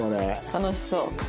楽しそう。